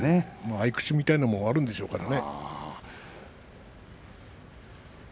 合い口みたいなものもあるんでしょうからね。